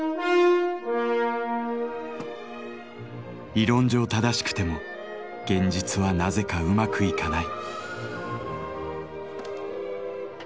理論上正しくても現実はなぜかうまくいかない。